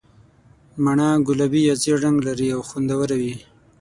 مڼه ګلابي یا ژېړ رنګ لري او خوندوره وي.